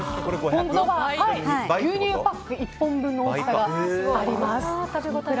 本当は牛乳パック１本分の大きさがあります。